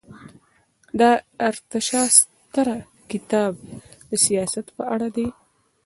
د ارتاشاسترا کتاب د سیاست په اړه دی.